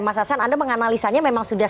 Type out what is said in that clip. mas hasan anda menganalisanya memang sudah